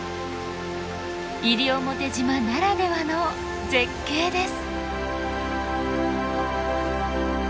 西表島ならではの絶景です。